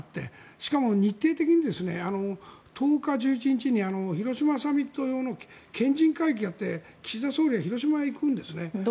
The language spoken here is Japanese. しかも日程的に１０日、１１日に広島サミット用の賢人会議をやって岸田総理が広島へ行くんですね。